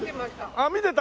ああ見てた？